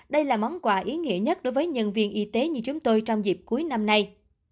đây là món quà ý nghĩa nhất đối với nhân viên y tế như chúng tôi trong dịp cuối năm nay